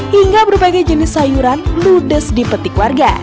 hingga berbagai jenis sayuran ludes dipetik warga